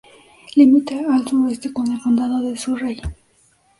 Limita al suroeste con el condado de Surrey.